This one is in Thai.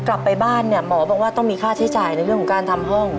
กลับไปบ้านเนี่ยหมอบอกว่าต้องมีค่าใช้จ่ายในเรื่องของการทำห้อง